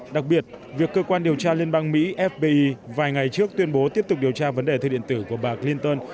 đặc biệt việc cơ quan điều tra liên bang mỹ fbi vài ngày trước tuyên bố tiếp tục điều tra vấn đề thư điện tử của bà clinton